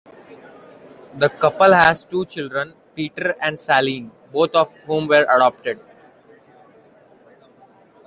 The couple had two children, Peter and Salene, both of whom were adopted.